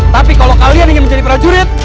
tapi kalau kalian ingin menjadi prajurit